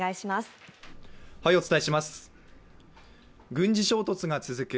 軍事衝突が続く